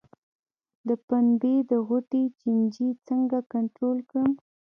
د پنبې د غوټې چینجی څنګه کنټرول کړم؟